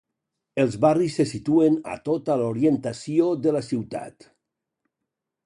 Els barris se situen a tota l'orientació de la ciutat.